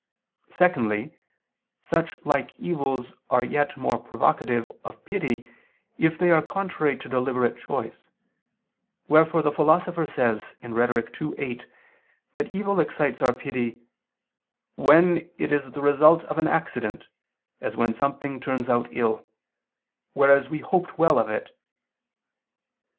Secondly, such like evils are yet more provocative of pity if they are contrary to deliberate choice, wherefore the Philosopher says (Rhet. ii, 8) that evil excites our pity "when it is the result of an accident, as when something turns out ill, whereas we hoped well of it."